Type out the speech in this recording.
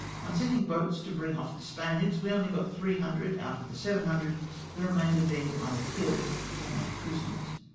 On sending boats to bring off the Spaniards we only got 300 out of tlie 700, the remainder being either killed or made prisoners.